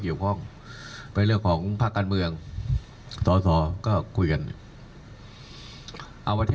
เกี่ยวโค้งเป็นเรื่องของภาคการเมืองส่ก็คุยกันเอาปเท